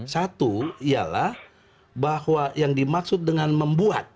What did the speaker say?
satu ialah bahwa yang dimaksud dengan membuat